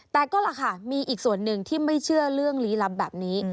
แต่ก็ล่ะค่ะมีอีกส่วนหนึ่งที่ไม่เชื่อเรื่องลี้ลับแบบนี้